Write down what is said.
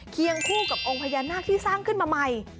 เคียงคู่กับองค์พญานาคที่สร้างขึ้นมาใหม่